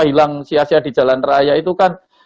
hilang sia sia di jalan raya itu kan